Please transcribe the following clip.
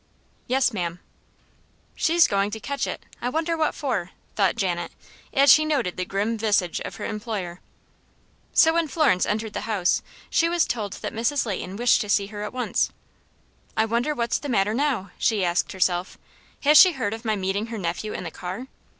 "Yes, ma'am." "She's going to catch it I wonder what for?" thought Janet, as she noted the grim visage of her employer. So when Florence entered the house she was told that Mrs. Leighton wished to see her at once. "I wonder what's the matter now?" she asked herself. "Has she heard of my meeting her nephew in the car?"